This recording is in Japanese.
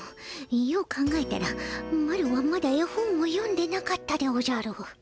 よう考えたらマロはまだ絵本を読んでなかったでおじゃる。